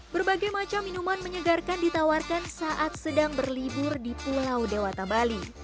berbagai macam minuman menyegarkan ditawarkan saat sedang berlibur di pulau dewata bali